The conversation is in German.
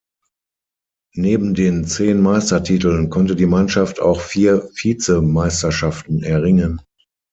Neben den zehn Meistertiteln konnte die Mannschaft auch vier Vize-Meisterschaften erringen.